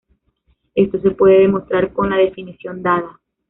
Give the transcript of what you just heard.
Esto se puede demostrar con la definición dada.